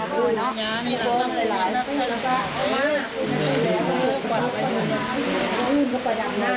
ตอนนี้ก็ไม่มีเวลาให้กลับมาเที่ยวกับเวลา